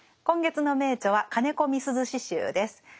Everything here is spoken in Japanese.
今月の名著は「金子みすゞ詩集」です。